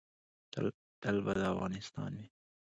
تل به دا افغانستان وي